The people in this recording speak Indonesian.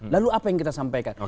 lalu apa yang kita sampaikan